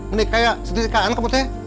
menikah ya sedikit kan kamu teh